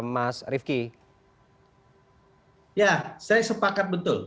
ya saya sepakat betul